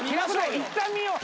いったん見よう！